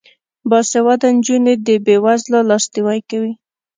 باسواده نجونې د بې وزلو لاسنیوی کوي.